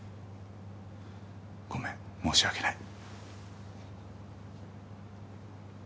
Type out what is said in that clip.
ごめん申し訳ない。